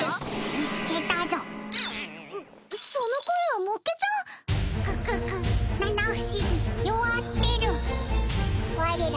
見つけたぞその声はもっけちゃんククク七不思議弱ってる我ら